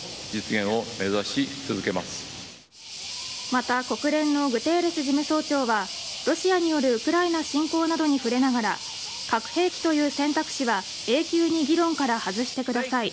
また、国連のグテーレス事務総長はロシアによるウクライナ侵攻などに触れながら核兵器という選択肢は永久に議論から外してください。